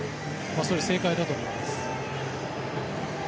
それ正解だと思います。